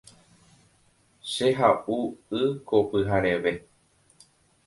Che ha’u y ko pyhareve.